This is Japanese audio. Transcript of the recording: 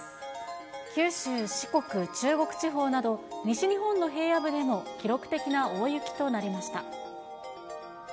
九州、四国、中国地方など、西日本の平野部でも記録的な大雪となりました。